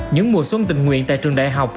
những mùa xuân tình nguyện tại trường đại học